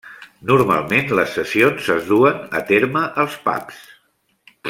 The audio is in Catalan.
Normalment les sessions es duen a terme als pubs.